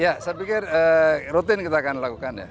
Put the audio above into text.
ya saya pikir rutin kita akan lakukan ya